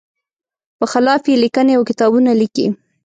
په خلاف یې لیکنې او کتابونه لیکي.